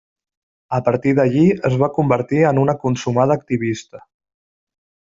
A partir d'allí es va convertir en una consumada activista.